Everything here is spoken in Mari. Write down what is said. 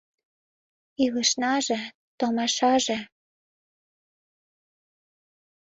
Илышнаже, томашаже